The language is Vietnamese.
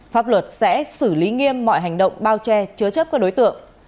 pháp luật sẽ xử lý nghiêm mọi hành động bao che chứa chấp các đối tượng